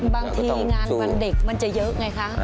บางทีงานวันเด็กมันจะเยอะไงคะ